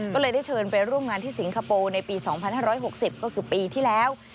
ก็เลยได้เชิญไปร่วมงานที่สิงคโปร์ในปี๒๕๖๐ก็คือปีที่แล้ว